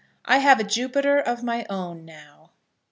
I HAVE A JUPITER OF MY OWN NOW.